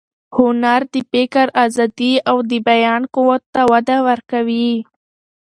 هنر د فکر ازادي او د بیان قوت ته وده ورکوي.